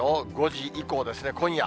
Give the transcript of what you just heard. ５時以降ですね、今夜。